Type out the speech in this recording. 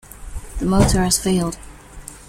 The motor has failed.